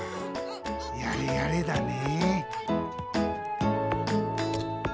あやれやれだね。